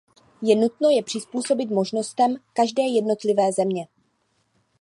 Je nutno je přizpůsobit možnostem každé jednotlivé země.